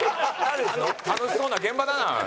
楽しそうな現場だな。